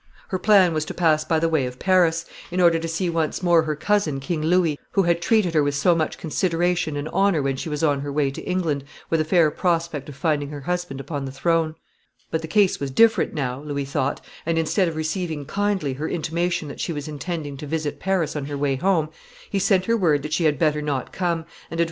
Her plan was to pass by the way of Paris, in order to see once more her cousin, King Louis, who had treated her with so much consideration and honor when she was on her way to England with a fair prospect of finding her husband upon the throne. But the case was different now, Louis thought, and instead of receiving kindly her intimation that she was intending to visit Paris on her way home, he sent her word that she had better not come, and advised her instead to make the best of her way to her father in Anjou.